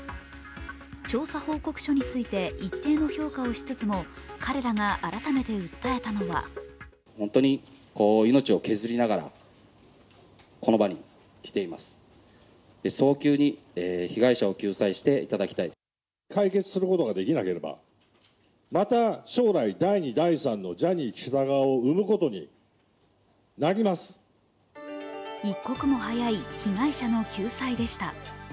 調査報告書について一定の評価をしつつも彼らが改めて訴えたのは一刻も早い被害者の救済でした。